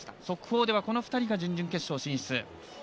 速報ではこの２人が準々決勝進出。